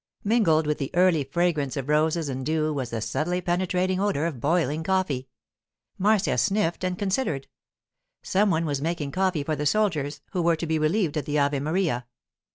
Mingled with the early fragrance of roses and dew was the subtly penetrating odour of boiling coffee. Marcia sniffed and considered. Some one was making coffee for the soldiers, who were to be relieved at the 'Ave Maria.